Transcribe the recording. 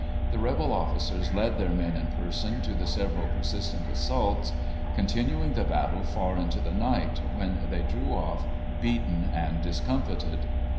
The rebel officers led their men in person to the several persistent assaults, continuing the battle far into the night, when they drew off, beaten and discomfited.